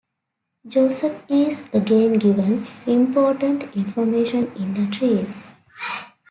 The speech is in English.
Joseph is again given important information in a dream.